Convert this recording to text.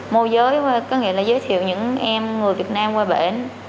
mô giới có nghĩa là giới thiệu những em người việt nam qua bển